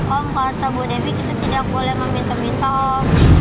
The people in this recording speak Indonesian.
om kata bu devi kita tidak boleh meminta minta om